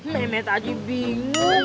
meme tadi bingung